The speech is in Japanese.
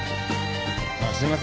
ああすいません。